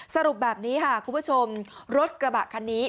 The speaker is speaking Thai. สรุปแบบนี้ค่ะคุณผู้ชมรถกระบะคันนี้